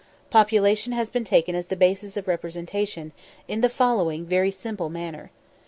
Population has been taken as the basis of representation, in the following very simple manner.